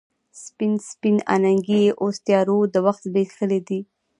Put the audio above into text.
سپین، سپین اننګي یې اوس تیارو د وخت زبیښلې دي